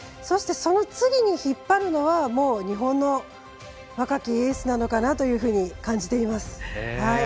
そして、その次に引っ張るのは日本の若きエースなのかなというふうに感じています。